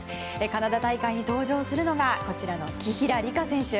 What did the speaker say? カナダ大会に登場するのが紀平梨花選手。